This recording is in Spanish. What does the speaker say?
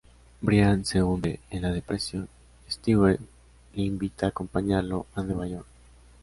Brian se hunde en la depresión, Stewie le invita a acompañarlo a Nueva York.